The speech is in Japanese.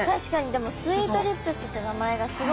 でもスイートリップスって名前がすごい。